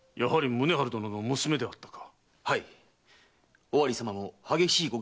宗春殿も人の親であったか。